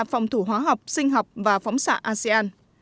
phòng thủ hóa học sinh học và phóng sinh